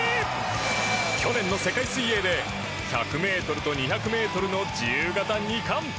去年の世界水泳で１００ｍと２００ｍの自由形２冠！